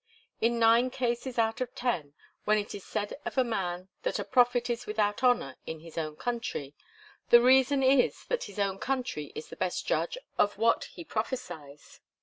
In nine cases out of ten, when it is said of a man that 'a prophet is without honour in his own country,' the reason is that his own country is the best judge of what he prophesies.